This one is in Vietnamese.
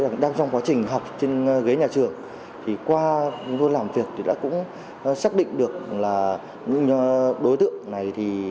đang trong quá trình học trên ghế nhà trường qua chúng tôi làm việc đã xác định được là những đối tượng này